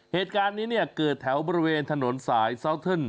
เหตุการณ์นี้เนี่ยเกิดแถวบริเวณถนนสายซาวเทิร์น